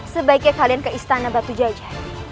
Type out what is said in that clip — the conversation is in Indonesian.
sebaiknya kalian ke istana batu jaja